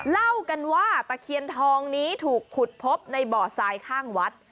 เล่ากันว่าตะเคียนทองนี้ถูกขุดพบในบ่อทรายข้างวัด